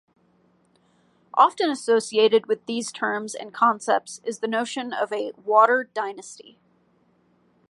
Often associated with these terms and concepts is the notion of a "water dynasty".